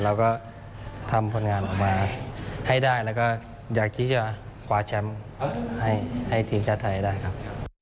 เราก็ทำผลงานออกมาให้ได้แล้วก็อยากที่จะคว้าแชมป์ให้ทีมชาติไทยได้ครับ